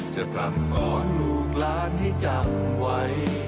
จะกลับสอนลูกล้านให้จำไว้